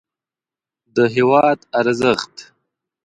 د هېواد ارزښت